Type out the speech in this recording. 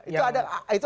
itu ada ada